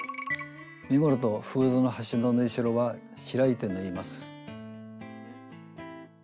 身ごろとフードの端の縫いしろは開いて縫います。